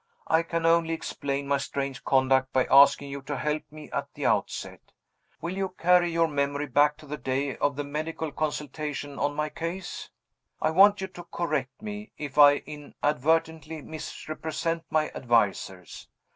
I can only explain my strange conduct by asking you to help me at the outset. Will you carry your memory back to the day of the medical consultation on my case? I want you to correct me, if I inadvertently misrepresent my advisers.